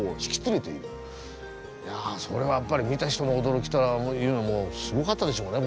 いやそれはやっぱり見た人の驚きというのもすごかったでしょうね